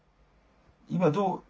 今どう？